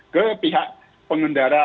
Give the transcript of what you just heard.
ke pihak pengendara